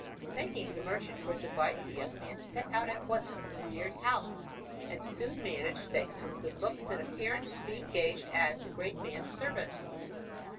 Thanking the merchant for this advice, the young man set out at once for the wazir's house, and soon managed, thanks to his good looks and appearance, to be engaged as the great man's servant.